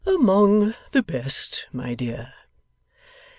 'Among the best, my dear.